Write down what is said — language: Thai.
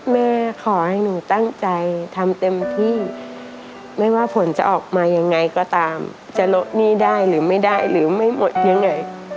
แม่ขอให้หนูตั้งใจทำเต็มที่ไม่ว่าผลจะออกมายังไงก็ตามจะลดหนี้ได้หรือไม่ได้หรือไม่หมดยังไง